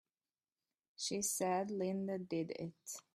She said Linda did it!